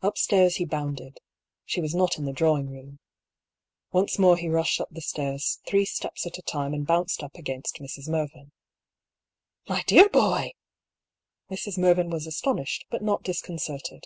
Upstairs he bounded — she was not in the drawing room. Once more he rushed up the stairs three steps at a time and bounced up against Mrs. Mervyn. " My dear boy !" Mrs. Mervyn was astonished, but not disconcerted.